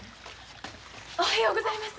おはようございます。